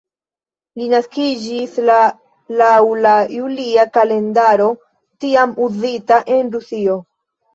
Li naskiĝis la laŭ la julia kalendaro tiam uzita en Rusio.